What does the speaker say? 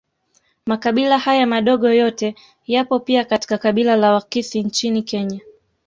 Makabila haya madogo yote yapo pia katika kabila la Wakisii nchini Kenya